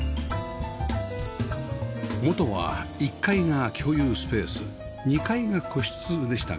元は１階が共有スペース２階が個室でしたが